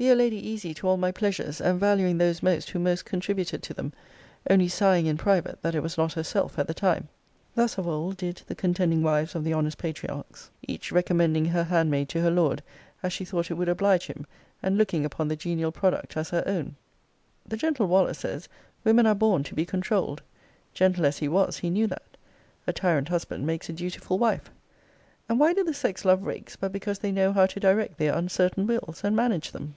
Be a lady easy to all my pleasures, and valuing those most who most contributed to them; only sighing in private, that it was not herself at the time. Thus of old did the contending wives of the honest patriarchs; each recommending her handmaid to her lord, as she thought it would oblige him, and looking upon the genial product as her own. The gentle Waller says, women are born to be controuled. Gentle as he was, he knew that. A tyrant husband makes a dutiful wife. And why do the sex love rakes, but because they know how to direct their uncertain wills, and manage them?